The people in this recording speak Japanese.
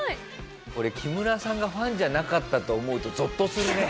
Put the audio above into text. これ木村さんがファンじゃなかったと思うとゾッとするね。